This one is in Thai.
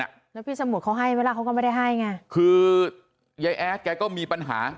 แล้วพี่สมุทรเขาให้ไหมล่ะเขาก็ไม่ได้ให้ไงคือยายแอดแกก็มีปัญหา